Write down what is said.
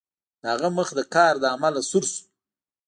د هغه مخ د قهر له امله سور شو